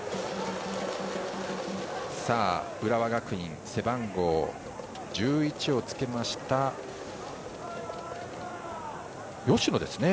浦和学院、背番号１１をつけました芳野ですね。